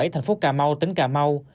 tp cà mau tỉnh cà mau